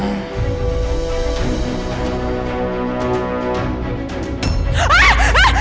tante sofia tuh pengen tau